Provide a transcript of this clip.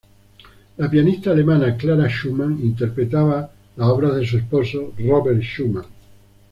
La pianista alemana Clara Schumann interpretaba las obras de su esposo Robert Schumann.